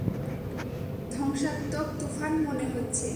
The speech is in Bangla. ধ্বংসাত্মক তুফান মনে হচ্ছে।